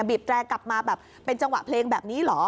แตรกลับมาแบบเป็นจังหวะเพลงแบบนี้เหรอ